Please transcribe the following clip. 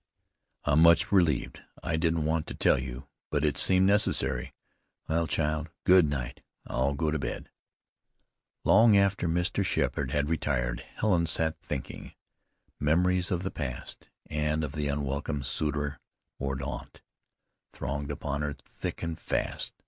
"I'm much relieved. I didn't want to tell you; but it seemed necessary. Well, child, good night, I'll go to bed." Long after Mr. Sheppard had retired Helen sat thinking. Memories of the past, and of the unwelcome suitor, Mordaunt, thronged upon her thick and fast.